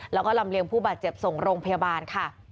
แล้วก็ลำเลียงผู้บาดเจ็บส่งโรงพยาบาลค่ะ